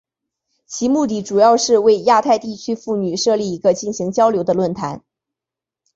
其目的主要是为亚太地区妇女设立一个进行交流的论坛。